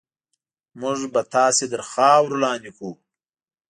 موږ به تاسې تر خاورو لاندې کړو.